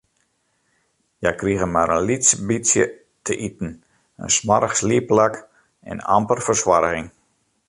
Hja krigen mar in lyts bytsje te iten, in smoarch sliepplak en amper fersoarging.